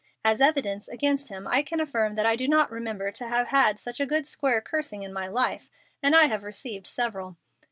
As evidence against him I can affirm that I do not remember to have had such a good square cursing in my life, and I have received several."